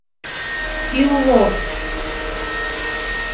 Илло!